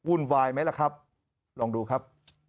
วุ่นวายไหมล่ะครับลองดูครับ